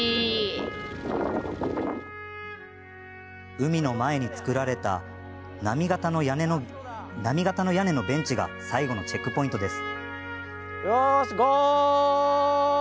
海の前につくられた波形の屋根のベンチが最後のチェックポイントです。